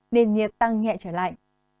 nền nhiệt tăng nhẹ trở lại